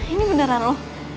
ini beneran lo